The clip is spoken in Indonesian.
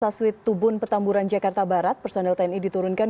sasuit tubun petamburan jakarta barat personel tni diturunkan